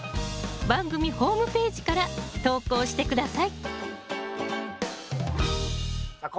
番組ホームページから投稿して下さいさあ